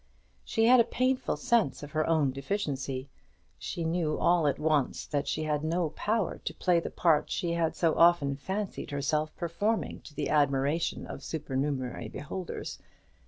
She had a painful sense of her own deficiency; she knew all at once that she had no power to play the part she had so often fancied herself performing to the admiration of supernumerary beholders.